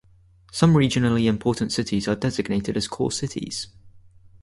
Some regionally important cities are designated as core cities.